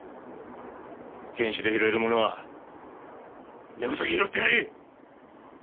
検視で拾えるものは根こそぎ拾ってやれ！